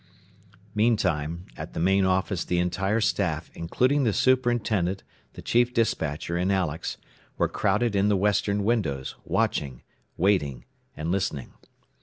Meantime, at the main office the entire staff, including the superintendent, the chief despatcher and Alex, were crowded in the western windows, watching, waiting and listening.